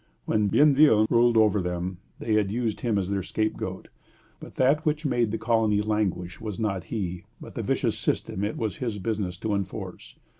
When Bienville ruled over them, they had used him as their scapegoat; but that which made the colony languish was not he, but the vicious system it was his business to enforce.